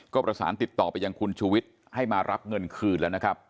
ก็ประสานติดต่อไปยังคุณชูวิทย์ให้มารับเงินคืนแล้วนะครับ